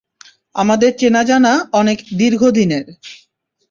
আমাদের চেনাজানা অনেক দীর্ঘদিনের।